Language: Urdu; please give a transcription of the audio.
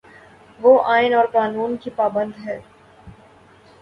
وہ آئین اور قانون کی پابند ہے۔